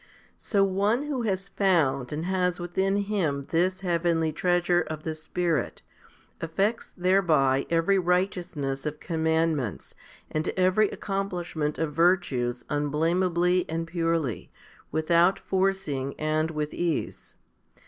So one who has found and has within him this heavenly treasure of the Spirit, effects thereby every righteousness of commandments and every accomplishment of virtues un blameably and purely, without forcing and with ease.